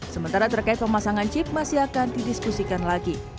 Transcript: sementara terkait pemasangan chip masih akan didiskusikan lagi